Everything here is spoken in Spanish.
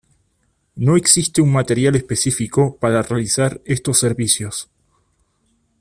No existe un material específico para realizar estos servicios.